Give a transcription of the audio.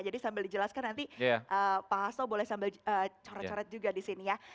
jadi sambil dijelaskan nanti pak asto boleh sambil coret coret juga di sini